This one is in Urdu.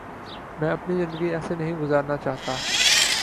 میں اپنی زندگی ایسے نہیں گزارنا چاہتا۔